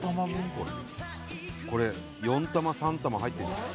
これこれ４玉３玉入ってんじゃない？